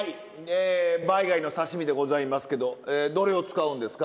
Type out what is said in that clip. バイ貝の刺身でございますけどどれを使うんですか？